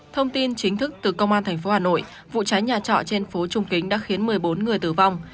thông tin chính thức từ công an tp hà nội vụ cháy nhà trọ trên phố trung kính đã khiến một mươi bốn người tử vong